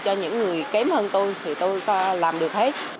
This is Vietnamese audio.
cho những người kém hơn tôi thì tôi làm được hết